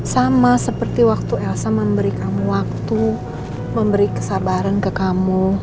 sama seperti waktu elsa memberi kamu waktu memberi kesabaran ke kamu